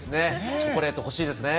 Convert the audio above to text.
チョコレート欲しいですね。